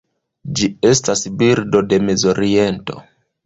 Ĝi estas birdo de Mezoriento.